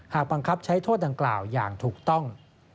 บังคับใช้โทษดังกล่าวอย่างถูกต้อง